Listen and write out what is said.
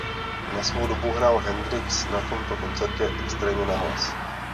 Na svou dobu hrál Hendrix na tomto koncertě extrémně nahlas.